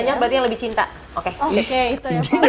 yang paling banyak berarti yang lebih cinta oke